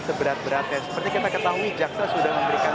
seberat beratnya seperti kita ketahui jaksa sudah memberikan